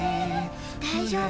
大丈夫。